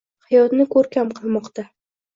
hayotini ko‘rkam qilmoqqa